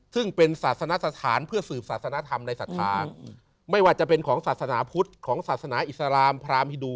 ซึ่งเป็นศาสนาธารณ์สถานครอบศาสนธรรมไม่ว่าจะเป็นของศาสนาพุทธของศาสนาอิสลามพรามฮิดู